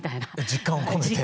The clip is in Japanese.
実感を込めて。